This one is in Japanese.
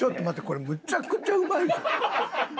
これむちゃくちゃうまいぞ。